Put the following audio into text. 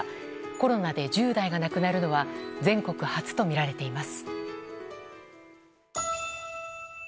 コロナで１０代が亡くなるのは全国初とみられています。